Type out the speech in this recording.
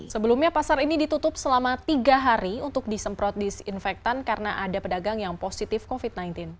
sebelumnya pasar ini ditutup selama tiga hari untuk disemprot disinfektan karena ada pedagang yang positif covid sembilan belas